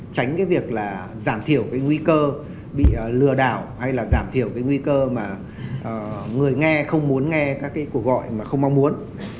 tránh cái việc là giảm thiểu cái nguy cơ bị lừa đảo hay là giảm thiểu cái nguy cơ mà người nghe không muốn nghe các cái cuộc gọi mà không mong muốn